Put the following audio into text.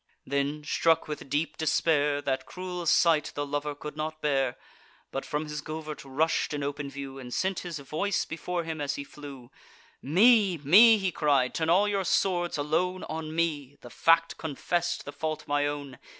Then, struck with deep despair, That cruel sight the lover could not bear; But from his covert rush'd in open view, And sent his voice before him as he flew: "Me! me!" he cried—"turn all your swords alone On me—the fact confess'd, the fault my own.